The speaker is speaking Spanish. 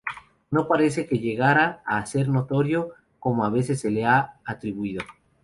No parece que llegara a ser notario, como a veces se le ha atribuido.